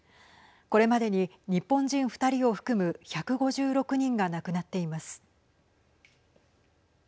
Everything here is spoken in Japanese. これまでに日本人２人を含む１５６人が亡くなっています。